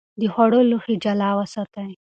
د خوړو لوښي جلا وساتئ.